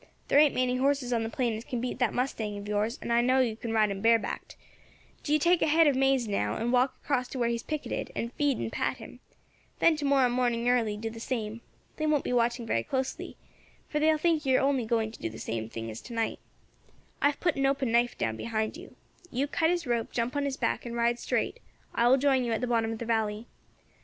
There ain't many horses on the plain as can beat that mustang of yours, and I know you can ride him barebacked. Do you take a head of maize now and walk across to where he is picketed, and feed and pat him; then to morrow morning early do the same. They won't be watching very closely, for they will think you are only going to do the same as to night. I have put an open knife down behind you. You cut his rope, jump on his back, and ride straight; I will join you at the bottom of the valley.